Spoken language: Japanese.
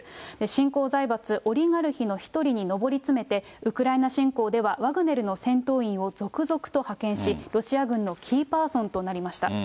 新興財閥オリガルヒの一人に上り詰めて、ウクライナ侵攻では、ワグネルの戦闘員を続々と派遣し、ロシア軍のキーパーソンとなりました。